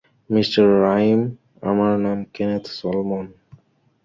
Mr Rhyme, আমার নাম Kenneth Solomon.